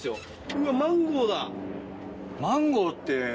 うわマンゴーだ。